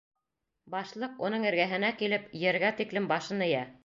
Башлыҡ, уның эргәһенә килеп, ергә тиклем башын эйә: